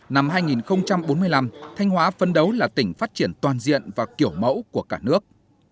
năm hai nghìn bốn mươi năm thanh hóa phân đấu là tỉnh phát triển toàn diện và kiểu mẫu của cả nước